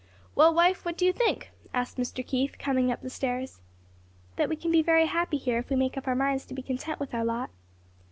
"Well, wife, what do you think?" asked Mr. Keith, coming up the stairs. "That we can be very happy here if we make up our minds to be content with our lot."